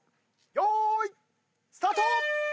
よーいスタート！